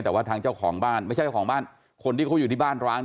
แต่ว่าทางเจ้าของบ้านไม่ใช่เจ้าของบ้านคนที่เขาอยู่ที่บ้านร้าง